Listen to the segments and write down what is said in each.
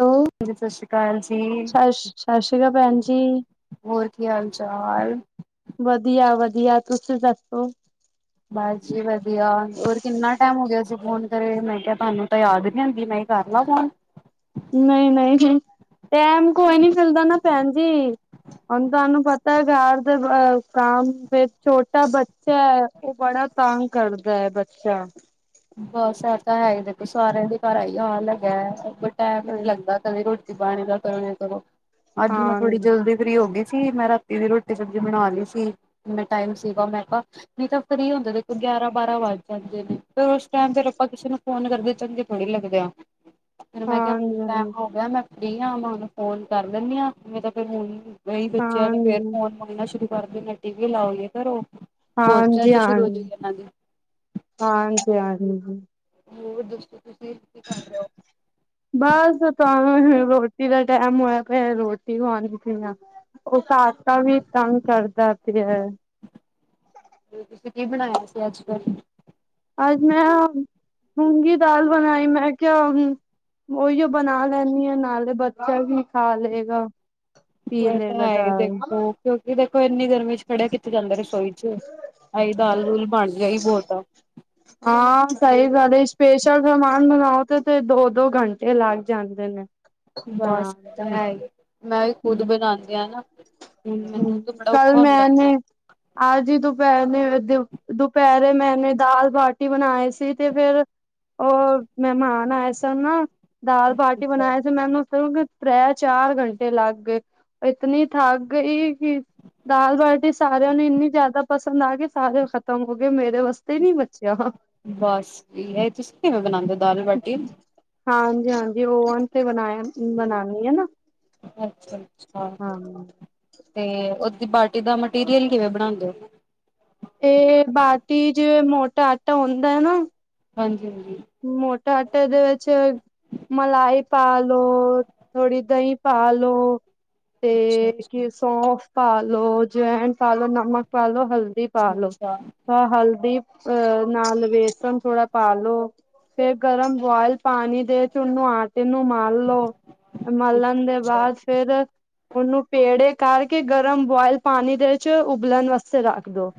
Hello ਹਾਂਜੀ ਸਤਿ ਸ਼੍ਰੀ ਅਕਾਲ ਜੀ ਸਤਿ ਸਤਿ ਸ਼੍ਰੀ ਅਕਾਲ ਭੈਣ ਜੀ ਹੋਰ ਕੀ ਹਾਲ ਚਾਲ ਵਧੀਆ ਵਧੀਆ ਤੁਸੀਂ ਦੱਸੋ ਬਸ ਜੀ ਵਧੀਆ ਹੋਰ ਕਿੰਨਾ ਟਾਈਮ ਹੋ ਗਿਆ ਸੀ ਫੋਨ ਕਰੇ ਮੈਂ ਕਿਹਾ ਤੁਹਾਨੂੰ ਤਾਂ ਯਾਦ ਹੀ ਨੀ ਆਉਂਦੀ ਪਈ ਕਰਲੋ ਫੋਨ ਨਹੀਂ ਨਹੀਂ ਟਾਈਮ ਕੋਈ ਨੀ ਮਿਲਦਾ ਨਾ ਭੈਣ ਜੀ ਹੁਣ ਤੁਹਾਨੂੰ ਪਤਾ ਹੈ ਘਰ ਦੇ ਬ ਅ ਕੰਮ, ਫਿਰ ਛੋਟਾ ਬੱਚੈ ਉਹ ਬੜਾ ਤੰਗ ਕਰਦੈ ਬੱਚਾ ਬਸ ਐ ਤਾਂ ਹੈ ਹੀ ਦੇਖੋ ਸਾਰਿਆਂ ਦੇ ਘਰ ਐਈ ਹਾਲ ਹੈਗੈ, ਕੋਈ ਟਾਈਮ ਈ ਨੀ ਹਾਂਜੀ ਲੱਗਦਾ ਕਦੇ ਰੋ ਟੀ ਪਾਣੀ ਦਾ ਕਰ ਕਰੋ ਏ ਕਰੋ, ਅੱਜ ਮੈਂ ਥੋੜੀ ਹਾਂਜੀ ਜਲਦੀ ਫ੍ਰਰੀ ਹੋ ਗਈ ਸੀ ਮੇਂ ਰਾ ਤੀ ਦੀ ਰੋਟੀ ਸਬਜ਼ੀ ਬਣਾ ਲਈ ਸੀ ਮੈਂ ਟਾਈਮ ਸੀਗਾ ਮੈਂ ਕਿਹਾ ਨਹੀਂ ਤਾਂ ਫਰੀ ਹੁੰਦੇ ਦੇਖੋ ਗਿਆਰਾਂ ਬਾਰਾਂ ਵੱਜ ਜਾਂਦੇ ਨੇ ਫਿਰ ਉਸ ਟਾਈਮ ਫਿਰ ਆਪਾਂ ਕਿਸੇ ਨੂੰ ਫੋਨ ਕਰਦੇ ਚੰਗੇ ਥੋੜ੍ਹੀ ਲੱਗਦੇ ਆਂ ਫੇਰ ਮੈਂ ਕਿਹਾ ਹੁਣ ਟਾਈਮ ਹੋ ਹਾਂਜੀ ਗਿਆ ਮੈਂ ਫਰੀ ਹਾਂ ਮੈਂ ਹੁਣ ਫੋਨ ਕਰ ਲੈਂਦੀ ਹਾਂ ਨਹੀਂ ਤਾਂ ਫਿਰ ਹੁਣ ਬਈ ਬੱਚਿਆਂ ਨੇ ਫੇਰ ਹਾਂਜੀ ਫੋਨ ਮੰਗਣਾ ਸ਼ੁਰੂ ਕਰ ਦੇਣੈ ਟੀ ਵੀ ਲਾਓ ਯੇ ਕਰੋ ਹੋਰ ਹਾਂਜੀ ਚਰਚ ਸ਼ੁਰੂ ਹੋ ਜਾਏਗੀ ਇਹਨਾਂ ਦੀ ਹਾਂ ਜੀ ਹਾਂਜੀ ਜੀ ਹੋਰ ਦੱਸੋ ਤੁਸੀਂ ਕੀ ਕਰ ਰਹੇ ਹੋ ਬਸ ਤੁਹਾਨੂੰ ਹ ਰੋਟੀ ਦਾ ਟੈਮ ਹੋਇਆ ਪਿਆ ਰੋਟੀ ਖਵਾਦੀਂ ਪਈ ਆ ਉਹ ਕਾਕਾ ਵੀ ਤੰਗ ਕਰਦਾ ਪਿਐ ਤੁਸੀਂ ਕੀ ਬਣਾਇਆ ਸੀ। ਅੱਜ ਫੇਰ? ਅੱਜ ਮੈਂ ਮੂੰਗੀ ਦਾਲ ਬਣਾਈ। ਮੈਂ ਕਿਆ ਹ ਉਹੀਓ ਬਣਾ ਲੈਂਦੀ ਹਾ, ਨਾਲੇ ਬੱਚਾ ਵੀ ਖਾ ਲਏਗਾ। ਪੀ ਉਹ ਤਾਂ ਲਏਗਾ ਹੈ। ਦਾਲ ਦੇਖੋ ਕਿਉਂਕਿ, ਦੇਖੋ ਇੰਨੀ ਗਰਮੀ ਚ ਖੜਿਆ ਕਿਥੇ ਜਾਂਦਾ। ਰਸੋਈ ਚ ਆਈ ਦਾਲ ਦੂਲ ਬਣ ਗਈ ਏਹ ਹੀ ਬਹੁਤ ਆ। [unintelligible] ਹਾਂ, ਸਹੀ ਗੱਲ ਹੈ। ਸਪੇਸ਼ਲ ਸਮਾਨ ਬਨਾਉਣ ਤੇ ਤੇ ਦੋ-ਦੋ ਘੰਟੇ ਲੱਗ ਜਾਂਦੇ ਨੇ। [unintelligible] ਬਸ ਤਾਂ ਬਣਾਣ ਹੈ ਹੀ, ਮੈਂ ਵੀ ਖੁਦ ਬਣਾਉਂਦੀ ਆ ਨਾ। ਹੁਣ ਮੈਨੂੰ ਹੂ, ਤਾਂ ਬੜਾ ਕੱਲ ਔਖਾ ਮੈਂ ਆਹ ਜੀ ਦੁਪਹਿਰੇ ਦੁਪਹਿਰੇ ਮੈਨੇ ਦਾਲ ਬਾਟੀ ਬਣਾਈ ਸੀ। ਤੇ ਫਿਰ ਉਹ ਮਹਿਮਾਨ ਆਏ ਸਨ। ਦਾਲ ਬਾਟੀ ਹੁੰਦਾ ਬਣਾਏ ਸੀ। ਮੈਨੂੰ ਤ੍ਰੈ ਚਾਰ ਘੰਟੇ ਲੱਗ ਗਏ। ਇਤਨੀ ਥਕ ਸੀ। ਦਾਲ ਬਾਟੀ ਸਾਰਿਆਂ ਨੂੰ ਇੰਨੀ ਜ਼ਿਆਦਾ ਪਸੰਦ ਆਗੀ, ਸਾਰੇ ਖਤਮ ਹੋ ਗਏ। ਮੇਰੇ ਵਾਸਤੇ ਨੀ ਬਚਿਆ ਬਸ, ਹੈ ਤੁਸੀਂ ਕਿਵੇਂ ਬਣਾਉਂਦੇ ਹੋ, ਦਾਲ ਬਾਟੀ? ਹਾਂਜੀ-ਹਾਂਜੀ, ਓ ਤੇ ਬਣਾਇਆ ਬਣਾਉਣੀ ਹੈ। ਅੱਛਾ-ਅੱਛਾ, ਤੇ ਉਸ ਓਦੀ ਪਾਰਟੀ ਦਾ ਮਟੀਰੀਅਲ ਕਿਵੇਂ ਬਣਾਉਂਦੇ ਹੋ? ਇਹ ਬਾਟੀ ਜਿ ਮੋਟਾ ਆਟਾ ਹੁੰਦਾ ਹੈ। ਨਾ ਹਾਂਜੀ-ਹਾਂਜੀ। ਮੋਟਾ ਆਟੇ ਦੇ ਵਿੱਚ ਮਲਾਈ ਪਾ ਲੋ ਥੋੜੀ ਦਹੀਂ ਪਾ ਲੋ ਤੇ ਕੀ ਅੱਛਾ-ਅੱਛਾ-ਅੱਛਾ-ਅੱਛਾ। ਸੌਫ ਪਾਲੋ, ਜਵੈਨ ਪਾਲੋ, ਨਮਕ ਪਾਲੋ, ਹਲਦੀ ਦੀ ਪਾਲੋ ਹਲਦੀ ਆਹ ਨਾਲ ਬੇਸਣ ਥੋੜਾ ਪਾਲੋ। ਫੇਰ, ਗਰਮ ਬੁਆਇਲ ਪਾਣੀ ਦੇ ਚੁ ਨਆ ਏਨੂੰ ਮਲ ਲੋੋ ਮਾਲਣ ਦੇ ਬਾਅਦ ਫੇਰ ਉਹਨੂੰ ਪੇੜੇ ਕਰਕੇ ਗਰਮ ਬੁਆਇਲ ਪਾਣੀ ਦੇ ਵਿੱਚ ਉਬਲਣ ਵਾਸਤੇ ਰੱਖ ਦੋ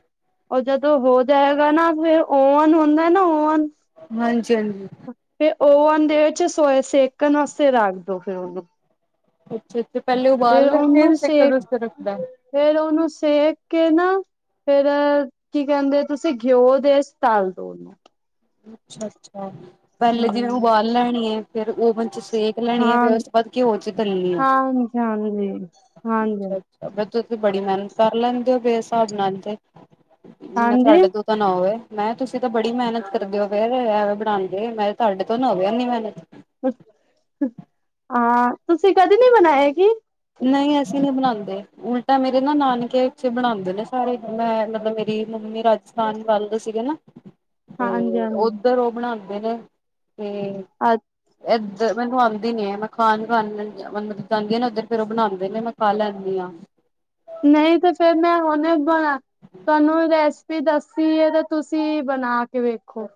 ਉਹ ਜਦੋਂ ਹੋ ਜਾਏਗਾ, ਨਾ ਫੇਰ ਓਨ ਹੁੰਦਾ ਨਾ ਓਨ ਹਾਂਜੀ-ਹਾਂਜੀ। ਫਿਰ ਓਵਨ ਦੇ ਵਿੱਚ ਸੋਏ ਸੇਕਣ ਵਾਸਤੇ ਰੱਖ ਦੋ ਫੇਰ ਉਹਨੂੰ। ਅੱਛਾ-ਅੱਛਾ, ਪਹਿਲੇ ਫੇਰ ਉਬਾਲ [inaudible] ਉਹਨੂੰ ਸੇਕ ਰੱਖਦਾ। ਫੇਰ, ਉਹਨੂੰ ਸੇਕ ਕੇ ਨਾ ਫੇਰ, ਕੀ ਕਹਿੰਦੇ ਤੁਸੀਂ ਘਿਓ ਦੇ ਇਸ ਤਾਲ [inaudible] ਅੱਛਾ-ਅੱਛਾ, ਪਹਿਲੇ ਹੂੰ। ਜੀਵੇਂ ਉਬਾਲ ਲੈਣੀ ਹੈ। ਫੇਰ ਓਵਨ ਚ ਸੇਕ ਲੈਣੀ ਆ, ਫੇਰ ਉਸ ਹਾਂ, ਤੋਂ ਬਾਅਦ ਘਿਓ ਚ ਤੱਲਣੀ ਆ। ਹਾਂਜੀ-ਹਾਂਜੀ, ਹਾਂਜੀ, ਹਾਂਜੀ। ਤੁਸੀ ਬੜੀ ਮਿਹਨਤ ਕਰ ਲੈਂਦੇ ਹੋ। ਏਸ ਹਿਸਾਬ ਨਾਲ ਤੇ ਨਾ ਹਾਂਜੀ। ਤੁਹਾਡੇ ਨਾ ਹੋਵੇ। ਮੈਂ ਤੁਸੀਂ ਤਾਂ ਬੜੀ ਮਿਹਨਤ ਕਰ ਦਿਓ। ਫੇਰ, ਐਵੇਂ ਬਣਾਉਂਦੇ ਮੈਂ ਸਾਡੇ ਤੋਂ ਨਾ ਹੋਵੇ ਇਨੀ ਮੇਹਨਤ। ਹਾਂ, ਤੁਸੀਂ ਕਦੇ ਨੀ ਬਨਾਇਆ ਕੀ? ਨਹੀਂ। ਅਸੀਂ ਨੀ ਬਣਾਉਂਦੇ, ਉਲਟਾ ਮੇਰੇ ਨਾ ਨਾਨਕੇੇ ਬਣਾਉਂਦੇ ਨੇ। ਸਾਰੇ ਮੈਂ ਮਤਲਬ, ਮੇਰੀ ਮੰਮੀ ਰਾਜ ਸਥਾਨ ਵੱਲ ਦੇ ਸੀਗੇ ਨਾ, ਤੇ ਹਾਂਜੀ-ਹਾਂਜੀ, ਉਧਰ ਉਹ ਬਣਾਉਦੇ ਨੇ ਤੇ ਅੱਜ ਇੱਧਰ ਮੈਨੂੰ ਆਉਂਦੀ ਨੀ ਹੈ। [inaudible] ਫੇਰ, ਉਹ ਬਣਾਉਂਦੇ ਨੇ, ਮੈਂ ਖਾ ਲੈਂਦੀ ਹਾਂ। ਨਈ ਤੇ ਫੇਰ ਮੈਂ ਹੁਨੇ ਬਣਾ, ਤੁਹਾਨੂੰ ਰੈਸ ਪੀ ਦੱਸੀ ਏ, ਤਾਂ ਤੁਸੀਂ ਬਣਾ ਕੇ ਵੇਖੋ?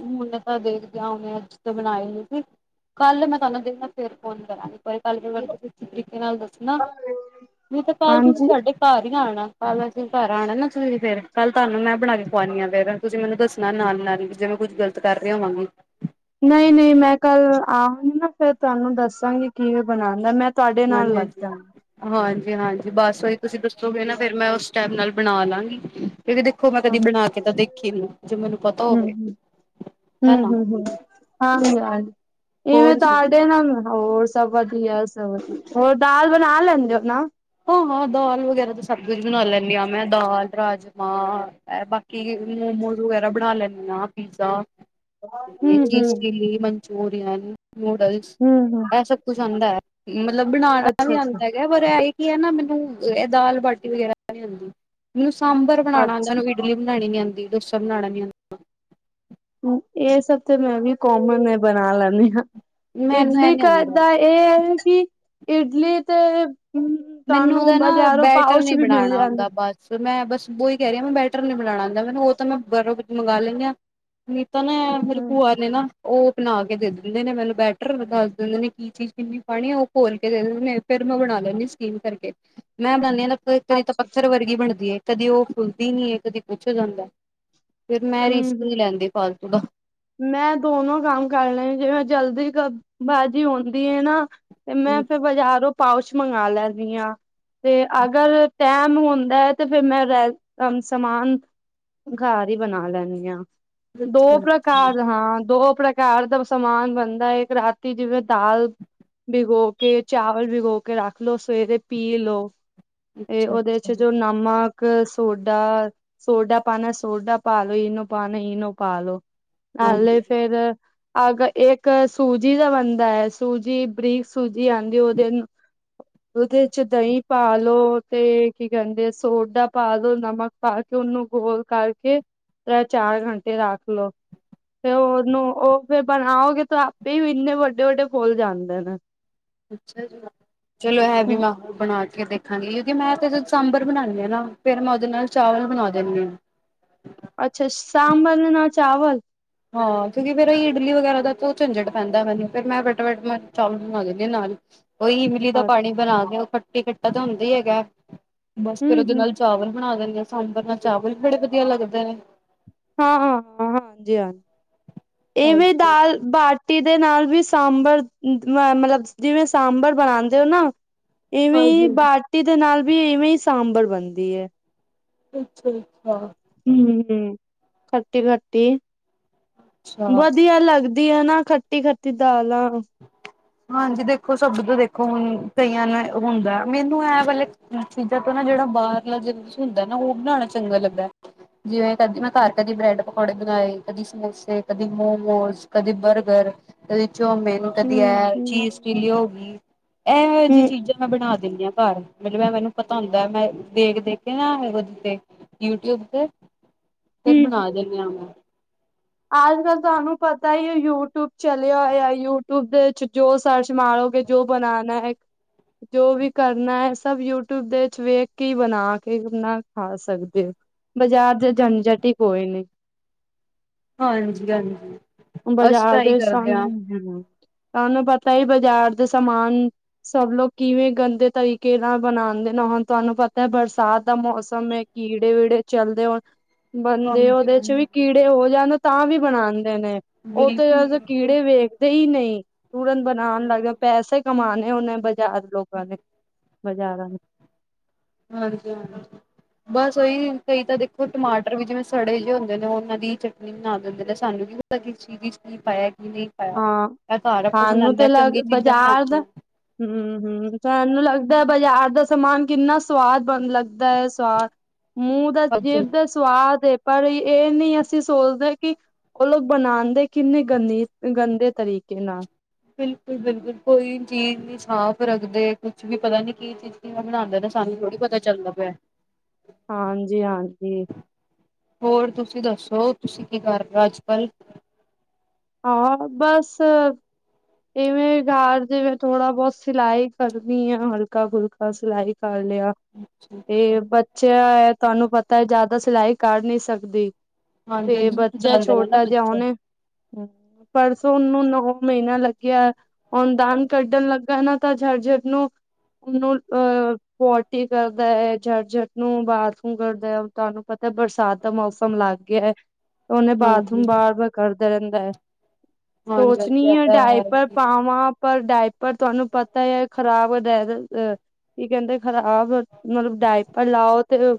ਹੁਨ ਤਾਂ ਦੇਖਦੇ ਓਨੇ, ਅੱਜ ਤੋਂ ਬਣਾ ਈ ਲਈ ਸੀ। ਕੱਲ੍ਹ ਮੈਂ ਤੁਹਾਨੂੰ ਦੇਖਦੀ ਫੇਰ ਫੋਨ ਕਰਾਗੀ। [inaudible] ਘਰ ਹਾਂਜੀ, ਹੀ ਆਣਾ, ਕੱਲ੍ਹ ਅਸੀਂ ਘਰ ਆਂਣਾ ਨਾ ਸਵੇਰੇ ਫੇਰ, ਕੱਲ ਤੁਆਨੂੰ ਮੈਂ ਬਣਾ ਕੇ ਖੁਆਨੀ ਆ, ਫੇਰ ਤੁਸੀਂ ਮੈਨੂੰ ਦੱਸਣਾ, ਨਾਲ-ਨਾਲ ਹੀ ਜਿਵੇਂ ਕੁੱਝ ਗਲਤ ਕਰ ਰਹੀ ਹੋਵਾਂਗੀ। ਨਈ-ਨਈ ਮੈਂ ਕੱਲ ਆਵਾਂਗੀ ਨਾ ਫੇਰ, ਤੁਆਨੂੰ ਦੱਸਾਂਗੀ, ਕਿਵੇਂ ਬਣਾਨਾ। ਮੈਂ ਤੁਹਾਡੇ ਨਾਲ ਲੱਗ ਹਾਂਜੀ-ਹਾਂਜੀ। ਜਾਗੀ ਹਾਂਜੀ-ਹਾਂਜੀ, ਬਸ ਓਹੀ ਤੁਸੀਂ ਦੱਸੋਗੇ ਨਾ, ਫੇਰ ਮੈਂ ਓਸ ਟੈਪ ਨਾਲ ਬਣਾਲਾਂਗੀ। ਕਿਉਂਕਿ ਦੇਖੋ ਮੈਂ ਹਾਂ ਕਦੀ ਬਣਾ ਕੇ ਤਾਂ ਦੇਖੀ ਨੀ, ਜੋ ਮੈਨੂੰ ਪਤਾ ਹੋਵੇ ਹਨਾ। ਹਾਂਜੀ-ਹਾਂਜੀ, ਇਵੇਂ ਹੋਰ ਸੁਣਾਓ। ਤੁਹਾਡੇ ਨਾਲ ਹੋਰ, ਸਭ ਵਧੀਆ-ਸਭ ਵਧੀਆ, ਹੋਰ ਦਾਲ ਬਣਾ ਲੈਂਦੇ ਓ ਨਾ? ਹਾਂ-ਹਾਂ, ਦਾਲ ਵਗੈਰਾ ਤਾਂ ਸਭ ਕੁਝ ਬਣਾ ਲੈਂਣੀ ਆਂ, ਮੈਂ ਦਾਲ ਰਾਜਮਾਂ ਬਾਕੀ ਕਿ ਮੋਮੋਜ਼ ਵਗੈਰਾ ਬਣਾ ਲੈਂਣੀ ਆਂ, ਪੀਜ਼ਾ ਹੂੰ ਤੇ ਹੂੰ ਚੀਜ਼ ਚੀਲੀ ਮਚੂਰੀਅਨ, ਨੂਡਲਸ ਹੂੰ ਹੂੰ ਐ ਸਭ ਕੁਛ ਆਂਦਾ। ਮਤਲਬ ਬਣਾਣਾ ਵੀ ਅੱਛਾ ਅੱਛਾ ਆਂਦਾ। ਪਰ ਇਹ ਕੀ ਹੈ ਨਾ, ਮੈਨੂੰ ਇਹ ਦਾਲ-ਬਾਟੀ ਵਗੈਰਾ ਨੀ ਔਦੀ ਮੈਨੂੰ ਸਾਂਬਰ ਬਣਾਣਾ ਆਂਦਾ, ਅੱਛਾ ਓਨੂੰ ਇਡਲੀ ਵੀ ਬਣਾਣੀ ਨੀ ਆਂਦੀ, ਡੋਸਾ ਵੀ ਬਣਾਣਾ ਨੀ ਆਂਦਾ। ਏ ਸਭ ਤੇ ਮੈਂ ਵੀ ਕੋਮਨ ਐ, ਬਣਾ ਲੈਣੀ ਆ, ਮੈਨੂੰ ਇਹ ਇਡਲੀ ਨੀ ਘਰ ਆਉਂਦਾ ਦਾ ਏ ਐ ਕੇ ਇਡਲੀ ਤੇ ਹ ਮੈਨੂੰ ਓਹਦਾ ਨਾ, ਬੈਟਰ ਨੀ ਬਣਾਣਾ ਜਾਂਦਾ ਔਂਦਾ ਬ ਮੈਂ ਬਸ ਓ ਈ ਕਹਿ ਰਹੀ ਆਂ, ਮੈਂ ਬੈਟਰ ਨੀ ਬਨਾਣਾ ਆਂਦਾ ਮੈਨੂੰ, ਓ ਤਾਂ ਮੈਂ ਬਾਹਰੋਂ ਮੰਗ ਲੈਂਣੀ ਆਂ। ਨਈ ਤਾ ਨਾ, ਫੇਰ ਹੂੰ ਭੂਆ ਨੇ ਨਾ ਓ ਬਣਾ ਕੇ ਦੇ ਦਿੰਦੇ ਨੇ, ਮੈਨੂੰ ਬੈਟਰ ਦੱਸ ਦਿੰਦੇ ਨੇ ਕੀ ਚੀਜ਼ ਕਿੰਨੀ ਪਾਨੀ ਹੈ। ਓ ਖੋਲ ਕੇ ਦੇ ਦਿੰਦੇ ਨੇ ਫੇਰ ਮੈਂ ਬਣਾ ਲੈਂਣੀ ਆ, ਸਟੀਮ ਕਰਕੇ ਮੈਂ ਬਣਾਦੀ ਆ, ਕਦੀ ਤਾਂ ਅੱਛਾ ਪੱਥਰ ਵਰਗੀ ਬਣਦੀ ਏ। ਕਦੀ ਓ ਫੁੱਲਦੀ ਨੀ ਐ, ਕਦੀ ਕੁਛ ਹੋ ਜਾਂਦਾ, ਫੇਰ ਮੈਂ ਅੱਛਾ ਹੂੰ ਰਿਸਕ ਹੂੰ ਨੀ ਲੈਂਦੀ, ਫਾਲਤੂ ਦਾ। ਮੈਂ ਦੋਨੋ ਕੰਮ ਕਰ ਲੈ, ਜਿਵੇਂ ਜਲਦੀ ਕ ਬਾਜ਼ੀ ਹੁੰਦੀ ਐ ਨਾ ਤੇ ਮੈਂ ਫੇਰ, ਬਾਜ਼ਾਰੋਂ ਪਾਉਚ ਮੰਗਵਾ ਲੈਂਣੀ ਆਂ ਤੇ, ਅਗਰ ਟੈਮ ਹੁੰਦਾ ਐ ਤੇ ਫੇਰ ਮੈਂ ਰੈ ਸਮਾਨ ਹੁੰਦਾ ਤੇ ਫਿਰ ਮੈਂ ਸਮਾਨ ਘਰ ਈ ਬਣਾ ਲੈਣੀ ਆਂ, ਅੱਛਾ ਦੋ ਪ੍ਰ ਹਾਂ, ਦੋ ਪ੍ਰਕਾਰ ਦਾ ਸਮਾਨ ਬਣਦਾ, ਇੱਕ ਰਾਤੀ ਜਿਵੇਂ ਦਾਲ ਬਿਗੋ ਕੇ, ਚਾਵਲ ਬਿਗੋ ਕੇ ਰੱਖ ਲੋ, ਸਵੇਰੇ ਪੀ ਲੋ। ਏ ਅੱਛਾ ਓਦੇ ਚ ਅੱਛਾ ਜੋ ਨਾ ਨਮਕ, ਸੋਡਾ-ਸੋਡਾ ਪਾਣਾ, ਸੋਡਾ ਪਾ ਲੋੋ, ਈਨੋ ਪਾਣਾ-ਈਨੋ ਪਾਲੋ। ਨਾਲੇ ਹਾਂਜੀ ਫੇਰ ਅਗ ਇੱਕ ਸੂਜੀ ਦਾ ਬਣਦਾ ਐ, ਸੂਜੀ ਬਰੀਕ ਸੂਜੀ ਆਂਦੀ। ਓਹਦੇ ਓਹਦੇ ਚ ਦਹੀਂ ਪਾਲੋੋ ਤੇ ਕੀ ਕੈਹਦੇ, ਸੋਡਾ ਪਾ ਲੋੋ ਨਮਕ ਪਾ ਕੇ ਓਨੂੰ, ਘੋਲ-ਘਾਲ ਕੇ ਤੇ ਚਾਰ ਘੰਟੇ ਰੱਖ ਲੋੋ। ਤੇ ਓਹਨੂੰ ਓ ਫੇਰ ਬਣਾਓਗੇ ਤਾਂ ਆਪੇ ਵੀ ਏਨੇ ਵੱਡੇ, ਵੱਡੇ ਫੁੱਲ ਜਾਂਦੇ ਨੇ। ਅੱਛਾ ਜੀ। ਚਲੋ, ਐ ਵੀ ਹੂੰ, ਮੈਂ ਹੁਨ ਬਣਾ ਕੇ ਦੇਖਾਂਗੀ, ਕਿਓਕੇ ਮੈਂ ਤੇ ਸਾਂਬਰ ਬਣਾਂਦੀ ਆ ਨਾ। ਫੇਰ ਮੈਂ ਓਹਦੇ ਨਾਲ ਚਾਵਲ ਬਣਾ ਦਿੰਨੀ ਆਂ। ਅੱਛਾ, ਸਾਂਬਰ ਦੇ ਨਾਲ ਚਾਵਲ ਹਾਂ, ਕਿਓਕੇ ਫੇਰ ਇਡਲੀ ਵਗੈਰਾ ਦਾ ਤਾਂ ਝੰਜਟ ਪੈਂਦਾ ਮੈਨੂੰ, ਫੇਰ ਮੈਂ ਫਟਾਫਟ ਚਾਵਲ ਬਣਾ ਦਿੰਦੀ ਆ ਨਾਲ ਈ। ਓ ਈ ਈਮਲੀ ਦਾ ਹਮ ਪਾਣੀ ਬਣਾ ਕੇ, ਓ ਖੱਟੀੇ-ਖੱਟਾ ਤਾਂ ਹੁੰਦਾ ਈ ਹੈਗਾ, ਬਸ ਫੇਰ ਓਹਦੇ ਹਮ ਨਾਲ ਚਾਵਲ ਬਣਾ ਦਿੰਦੇ ਆ, ਸਾਂਬਰ ਨਾ ਚਾਵਲ ਵੀ ਬੜੇ ਵਧੀਆ ਲੱਗਦੇ ਨੇ ਹਾਂ-ਹਾਂ-ਹਾਂ, ਹਾਂਜੀ, ਹਾਂ ਏਵੇਂ ਹਾਂਜੀ ਦਾਲ ਬਾ ਟੀ ਦੇ ਨਾਲ ਵੀ ਸਾਂਬਰ ਮ ਮਤਲਬ ਜਿਵੇਂ ਸਾਂਬਰ ਬਣਾਂਦੇ ਓ ਨਾ ਇਵੇਂ ਈ ਹਾਂਜੀ ਬਾਟੀ ਦੇ ਨਾਲ ਵੀ ਇਵੇਂ ਈ ਸਾਂਬਰ ਬਣਦੀ ਏ। ਅੱਛਾ ਜੀ, ਹਾਂ। ਹੂੰ-ਹੂੰ, ਖੱਟੀ-ਖੱਟੀ ਅੱਛਾ ਵਧੀਆ ਲੱਗ ਦੀ ਆ ਨਾ ਖੱਟੀ-ਖੱਟੀ ਦਾਲਾਂ ਹਾਂਜੀ ਦੇਖੋ ਸਭ ਡਿੱਬੇ ਦੇਖੋ ਹੁਨ ਕਈਆਂ ਨੂੰ ਐ ਹੁੰਦੈ ਮੈਨੂੰ ਐ ਵਾਲੇ ਚੀਜਾਂ ਤੋਂ ਨਾ ਜੜਾ ਬਾਰਲਾ [unintelligible] ਹੁੰਦੈ ਨਾ ਓ ਬਣਾਣਾ ਚੰਗਾ ਲੱਗਦੈ। ਜਿਵੇਂ ਕਦੀ ਮੈਂ ਘਾਰ ਕਦੀ ਬ੍ਰੈਡ ਪਕੌੜੇ ਬਨਾਏ, ਕਦੀ ਸਮੋਸੇ, ਕਦੀ ਮੋਮੋਸ, ਕਦੀ ਬਰਗਰ ਕਦੀ ਚੌਮਿਨ, ਕਦੀ ਐ ਹੂੰ-ਹੂੰ, ਚੀਜ਼ ਚਿਲੀ ਹੋ ਗੀ ਐਹੈ ਜੀ ਹੂੰ-ਹੂੰ। ਚੀਜਾਂ ਮੈਂ ਬਣਾ ਦਿੰਨੀ ਆਂ ਘਾਰ ਮਤਲਬ ਐ ਮੇਨੂੰ ਪਤਾ ਹੁੰਦੈ ਮੈਂ ਦੇਖ-ਦੇਖ ਕੇ ਨਾ [unintelligible] ਤੇ ਯੂਟਿਊਬ ਤੇ ਫੇਰ ਬਣਾ ਦੇਨੇ ਆਂ ਮੈਂ। ਆਜ ਕੱਲ ਤੁਆਨੂੰ ਪਤਾ ਈ ਏ ਯੂਟਿਊਬ ਚਲੇਆ ਹੋਇਐ। ਯੂਟਿਊਬ ਦੇ 'ਚ ਜੋ ਸਰਚ ਮਾਰੋਗੇ ਜੋ ਬਨਾਨਾ ਹੈ ਜੋ ਵੀ ਕਰਨਾ ਐ ਸਭ ਯੂਟਿਊਬ ਦੇ 'ਚ ਵੇਖ ਕੇ ਹੀ ਬਨਾ ਕੇ ਈ ਆਪਨਾ ਖਾ ਸਕਦੇ ਓ। ਬਜਾਰ ਦਾ ਜੰਝਟ ਈ ਕੋਈ ਨੀ। ਹਾਂਜੀ-ਹਾਂਜੀ। ਬਜਾਰ ਦੇ ਸਾਮ ਹੂੰ, ਤੁਆਨੂੰ ਪਤਾ ਈ ਬਾਜਾਰ ਦੇ ਸਾਮਾਨ ਸਭ ਲੋਕ ਕਿਵੇਂ ਗੰਦੇ ਤਰੀਕੇ ਨਾਲ ਬਣਾਂਦੇ ਨੇ। ਹੋਣ ਤੁਆਨੂੰ ਪਤੈ ਬਰਸਾਤ ਦਾ ਮੌਸਮ ਏ ਕੀੜੇ-ਵੀੜੇ ਚੱਲਦੇ ਹੋਣ ਬੰਦੇ ਹਾਂਜੀ ਓਦੇ 'ਚ ਵੀ ਹਾਂਜੀ ਕੀੜੇ ਹੋ ਜਾਨ ਓ ਤਾਂ ਵੀ ਬਣਾਂਦੇ ਨੇ। ਓ ਤੇ ਕੀੜੇ ਬਿਲਕੁਲ ਵੈਸੇ ਬਿਲਕੁਲ ਕੀੜੇ ਵੇਖਦੇ ਈ ਨਈ। ਉਰਨ ਬਨਾਨ ਲੱਗ ਜਾਂਦ, ਪੈਸੇ ਕਮਾਨੇ ਓਨੇ ਬਾਜਾਰ ਲੋਕਾਂ ਨੇ, ਬਾਜਾਰਾਂ ਨ ਹਾਂਜੀ-ਹਾਂਜੀ। ਬਸ ਓਈ ਕਈ ਤਾਂ ਦੇਖੋ ਟਮਾਟਰ ਵੀ ਜਿਵੇਂ ਸੜੇ ਜੇ ਹੁੰਦੇ ਨੇ, ਓਨਾਂ ਦੀ ਈ ਚਟਨੀ ਬਨਾ ਦਿੰਦੇ ਨੇ। ਸਾਨੂੰ ਵੀ ਕਿਸ ਚੀਜ ਇੱਚ ਕੀ ਪਾਇਐ, ਕੀ ਨੀ ਪਾਇਆ। ਹਾਂ ਐ ਘਾਰ ਆਪਾਂ ਸਾਨੂੰ ਬਨਾਨੇ ਤੇ ਆਂ ਲੱਗ ਚੰਗੀ ਚੀਜਾਂ ਬਾਜ਼ਾਰ ਦਾ ਬਨਾਨੇ ਐਂ। ਹੂੰ-ਹੂੰ, ਸਾਨੂੰ ਲੱਗਦੈ ਬਾਜਾਰ ਦਾ ਸਮਾਨ ਕਿੰਨਾ ਸਵਾਦ ਬਨ ਲੱਗ ਦੈ ਸਵਾ। ਮੂੰਅ ਦਾ, ਬਣਾਉਂਦੇ ਜੀਭ ਦਾ ਤੁਆਦ ਏ। ਪਰ ਈ ਏ ਨੀ ਅਸੀ ਸੋਚਦੇ ਕਿ ਓ ਲੋਗ ਬਨਾਂਦੇ ਕਿੰਨੀ ਗੰਦੀ ਅ ਗੰਦੇ ਤਰੀਕੇ ਨਾਲ। ਬਿਲਕੁਲ-ਬਿਲਕੁਲ, ਕੋਈ ਚੀਜ ਨੀ ਸਾਫ ਰੱਖਦੇ‌। ਕੁਛ ਵੀ ਪਤਾ ਨੀ ਕੀ ਚੀਜ ਕਿਵੇਂ ਬਨਾਂਦੇ ਨੇ ਸਾਨੂੰ ਥੋੜੀ ਪਤਾ ਚੱਲਦਾ ਪਿਐ। ਹਾਂਜੀ-ਹਾਂਜੀ। ਹੋਰ ਤੁਸੀ ਦੱਸੋ? ਤੁਸੀ ਕੀ ਕਰ ਰੇ ਓ, ਅੱਜ-ਕੱਲ? ਹਾਂ, ਬਸ ਇਵੇਂ ਈ ਘਾਰ ਜਿਵੇਂ ਥੋੜਾ ਬੋਤ ਸਿਲਾਈ ਕਰਦੀ ਆਂ, ਹਲਕਾ-ਫੁਲਕਾ ਸਿਲਾਈ ਕਰ ਲੇਆ ਅੱਛਾ। ਏ ਅੱਛਾ ਬੱਚੇ ਐਂ, ਤੁਆਨੂੰ ਪਤੈ ਜਾਦਾ ਸਿਲਾਈ ਕਰ ਨੀ ਸਕਦੀ। ਹਾਂਜੀ ਤੇ ਬੱਚਾ ਜਾਂਦੇ ਨੇ ਨਾ ਛੋਟਾ ਜਿਆ ਬੱਚੇ ਓਨੇਂ ਪਰਸੋਂ ਓਨੂੰ ਨੌਵਾਂ ਮਹੀਨਾ ਲੱਗ ਗਿਐ। ਓਨ ਦਾਨੰ ਕੱਢਨ ਲੱਗਾ ਨਾ ਤਾਂ ਝਰ-ਝਰ ਨੂੰ ਊਂਨ ਓ ਅ ਪੋਟੀ ਕਰਦਾ ਐ। ਝਰ-ਝਰ ਨੂੰ ਬਾਥਰੂਮ ਕਰਦਾ ਐ ਤੁਆਨੂੰ ਪਤੈ ਬਰਸਾਤ ਦਾ ਮੌਸਮ ਲੱਗ ਗਿਐ ਓਨ ਐ ਬਾਥਰੂਮ ਹਾਂਜੀ ਬਾਰ-ਬਾਰ ਕਰਦਾ ਰੈਂਦੈ। ਹਾਂਜੀ ਹਾਂਜੀ ਸੋਚਨੀ ਇਹ ਆ, ਤਾਂ ਹੈ ਡਾਇਪ ਹੀ ਵਹਾਂ ਪਰ ਡਾਇਪਰ ਤੁਆਨੂੰ ਪਤਾ ਈ ਐ ਖਰਾਬ ਹੋ ਜਾਏ [unintelligible] ਅ ਕੀ ਕਹਿੰਦੇ ਖ਼ਰਾਬ, ਮਤਲਬ ਡਾਏਪਰ ਲਾਓ ਤੇ-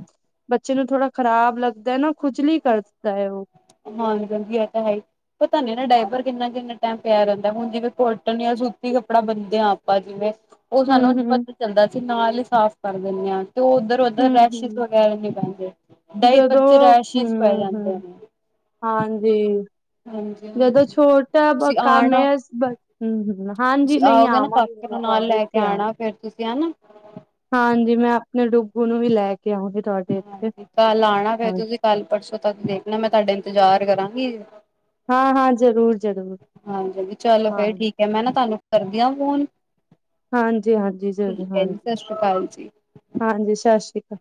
ਬੱਚੇ ਨੂੰ ਥੋੜ੍ਹਾ ਖ਼ਰਾਬ ਲੱਗਦਾ ਐ ਨਾ, ਖੁਜਲੀ ਕਰਦਾ ਹੈ ੳ। ਹਾਂਜੀ-ਹਾਂਜੀ ਏ ਤਾ ਐ ਈ। ਪਤਾ ਨਹੀ ਨੀ, ਡਾਏਪਰ ਕਿੰਨਾ-ਕਿੰਨਾ ਟਾਈਮ ਪੇਆ ਰਹਿੰਦਾ। ਹੁਨ ਜਿਵੇਂ ਕੋਟਨ ਜਾਂ ਸੂਤੀ ਕੱਪੜਾ ਬਨਦੇ ਆਂ, ਆਪਾਂ ਜਿਵੇਂ- ਓ ਸਾਨੂੰ ਹਮ ਹੁਨ ਹਮ ਪਤਾ ਚੱਲਦਾ, ਅਸੀ ਨਾਲ ਹੀ ਸਾਫ਼ ਕਰ ਦਿੰਦੇ ਆ। ਤੇ ਉ ਓਧਰ-ਓਧਰ ਹਮ ਰੈਸ਼ਿਸ ਹਮ ਵਗੈਰਾ ਨੀ ਪੈਂਦੇ, ਡਾਏਪਰ ਜਦੋਂ ਚ ਰੈਸ਼ਿਸ ਪੈ ਹੂੰ ਜਾਂਦੇ ਹੂੰ ਨੇ। ਹਾਂਜੀ। ਹਾਂਜੀ ਹਾਂਜੀ ਜਦੋਂ ਛੋਟਾ ਬ ਤੁਸੀਂ ਕੰਮ ਆਣਾ ਏ ਬਸ ਹੂੰ-ਹੂੰ ਨਾ- ਹਾਂਜੀ, ਤੁਸੀਂ ਨਹੀਂ ਆਓਗੇ ਨਾ ਆਵਾਂਗੀ, ਕਾਕੇ ਮੈਂ ਨੂੰ ਨਾਲ ਕਾਲੇਜ ਲੈ ਕੇ ਤੇ ਆ ਆਣਾ ਫੇਰ ਤੁਸੀਂ ਹਨਾ। ਹਾਂਜੀ, ਮੈਂ ਆਪਨੇ ਡੁੱਗੂ ਨੂੰ ਵੀ ਲੈ ਕੇ ਆਓਗੀ। ਕੱਲ ਆਨਾ ਫੇਰ ਤੁਸੀਂ ਕੱਲ, ਪਰਸੋਂ ਤੱਕ ਦੇਖਨਾ, ਮੈਂ ਤਾਡੇ ਇੰਤਜ਼ਾਰ ਕਰਾਂਗੀ। ਹਾਂ-ਹਾਂ, ਜ਼ਰੂਰ। ਜ਼ਰੂਰ ਹਾਂਜੀ। ਚਲੋ, ਹਾਂ ਫੇਰ ਠੀਕ ਐ। ਮੈਂ ਨਾ ਤਾਨੂੰ ਕਰਦੀ ਆ, ਫੋਨ। ਹਾਂਜੀ-ਹਾਂਜੀ, ਜ਼ਰੂਰ। ਠੀਕ ਹੈ ਜੀ ਸਤਿ ਸ੍ਰੀ ਅਕਾਲ ਜੀ। ਹਾਂਜੀ-ਹਾਂਜੀ, ਸਤ ਸ੍ਰੀ ਅਕਾਲ।